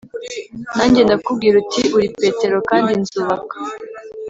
Nanjye ndakubwira nti Uri Petero kandi nzubaka